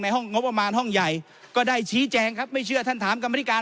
ห้องงบประมาณห้องใหญ่ก็ได้ชี้แจงครับไม่เชื่อท่านถามกรรมธิการ